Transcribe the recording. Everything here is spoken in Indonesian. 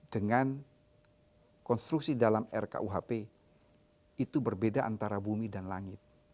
dengan konstruksi dalam rkuhp itu berbeda antara bumi dan langit